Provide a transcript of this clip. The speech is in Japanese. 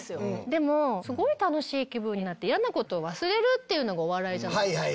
でもすごい楽しい気分になって嫌なことを忘れるっていうのがお笑いじゃないですか。